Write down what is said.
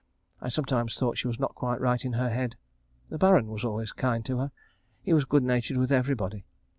I sometimes thought she was not quite right in her head. The Baron was always kind to her. He was good natured with everybody.